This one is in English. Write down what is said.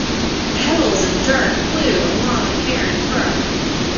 Pebbles and dirt flew along with hair and fur.